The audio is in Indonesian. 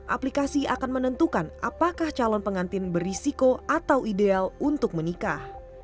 aplikasi akan menentukan apakah calon pengantin berisiko atau ideal untuk menikah